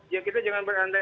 ya kita jangan berandai